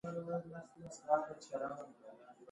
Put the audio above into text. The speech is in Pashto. دا کار په داسې ډول وکړي چې مزد ثابت پاتې شي